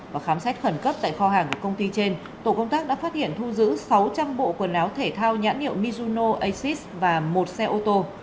và khám xét khẩn cấp tại kho hàng của công ty trên tổ công tác đã phát hiện thu giữ sáu trăm linh bộ quần áo thể thao nhãn hiệu mizuno asis và một xe ô tô